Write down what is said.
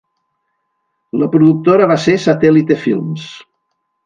La productora va ser Satellite Films.